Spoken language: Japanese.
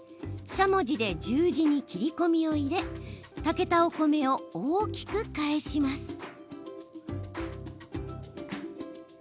しゃもじで十字に切り込みを入れ炊けたお米を大きく返します。